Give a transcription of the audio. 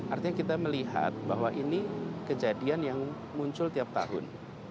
artinya kita melihat bahwa ini kejadian yang muncul tiap tahun